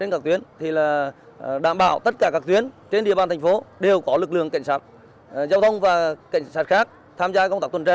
trên các tuyến thì là đảm bảo tất cả các tuyến trên địa bàn thành phố đều có lực lượng cảnh sát giao thông và cảnh sát khác tham gia công tác tuần tra